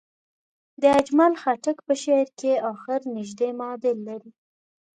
د اجمل خټک په شعر کې اخر نژدې معادل لري.